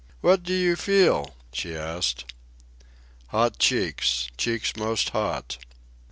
"What do you feel?" she asked. "Hot cheeks—cheeks most hot."